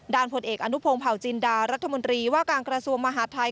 ผลเอกอนุพงศ์เผาจินดารัฐมนตรีว่าการกระทรวงมหาดไทย